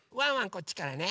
こっちからね。